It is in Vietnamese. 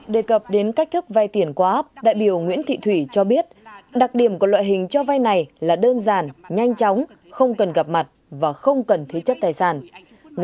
đề cập đến cách thức vay tiền qua app đại biểu nguyễn thị thủy cho biết đặc điểm của loại hình cho vay này là đơn giản nhanh chóng không cần gặp mặt và không cần thế chấp tài sản